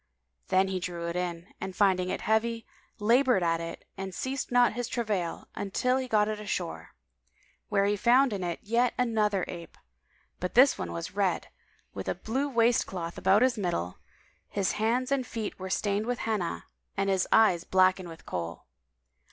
Then he drew it in and finding it heavy, laboured at it and ceased not his travail till he got it ashore, when he found in it yet another ape; but this one was red, with a blue waistcloth about his middle; his hands and feet were stained with Henna and his eyes blackened with Kohl.